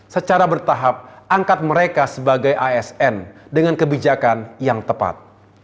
secara bertahap angkat mereka sebagai asn dengan kebijakan yang tepat